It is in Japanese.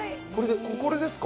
これですか？